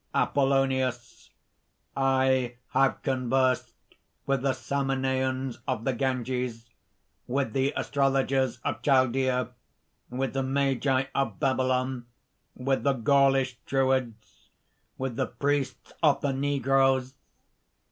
APOLLONIUS. "I have conversed with the Samaneans of the Ganges, with the astrologers of Chaldea, with the magi of Babylon, with the Gaulish Druids, with the priests of the negroes!